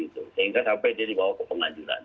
sehingga sampai dia dibawa ke pengadilan